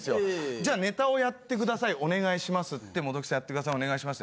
じゃあネタをやってくださいお願いしますって元木さんやってくださいお願いします。